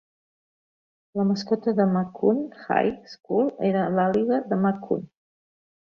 La mascota de la McCune High School era l'Àliga de McCune.